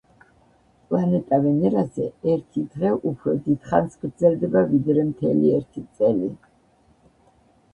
პლანეტა ვენერაზე ერთი დღე უფრო დიდხანს გრძელდება, ვიდრე მთელი ერთი წელი.